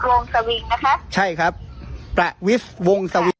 วงสวิ้งนะครับใช่ครับประวิสดิ์วงสวิ้ง